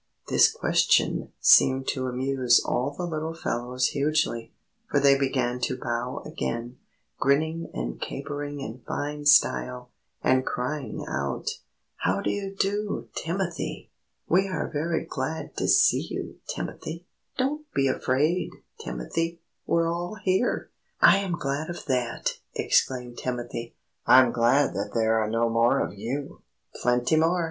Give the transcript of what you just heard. This question seemed to amuse all the little fellows hugely, for they began to bow again, grinning and capering in fine style, and crying out: "How do you do, Timothy?" "We are very glad to see you, Timothy!" "Don't be afraid, Timothy, we're all here!" "I am glad of that!" exclaimed Timothy; "I'm glad that there are no more of you!" "Plenty more!